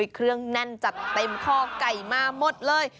เครื่องแน่นจัดเต็มคอไก่มาหมดเลย